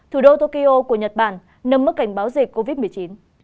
thủ đô tokyo của nhật bản nâng mức cảnh báo dịch covid một mươi chín